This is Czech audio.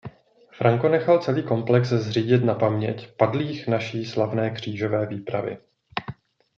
Franco nechal celý komplex zřídit na paměť „padlých naší slavné Křížové výpravy“.